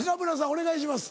お願いします。